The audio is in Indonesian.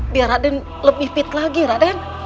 biar raden lebih fit lagi raden